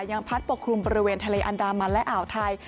ยังพัดปกคลุมบริเวณทะเลอันดามันและอ่าวไทย